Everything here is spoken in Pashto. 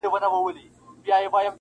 که پتنګ یې معسوقه شمع شیدا وي,